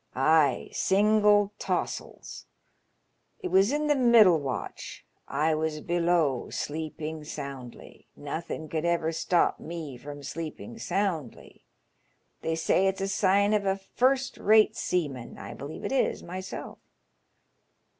" Ay, single taws'ls. It was in the middle watch ; I was below, sleeping soundly. Nothin' could ever stop ma from sleeping soundly. They say it's a sign of a first rate seaman. I believe it is myself.